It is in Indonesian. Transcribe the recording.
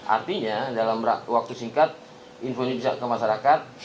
artinya dalam waktu singkat info ini bisa ke masyarakat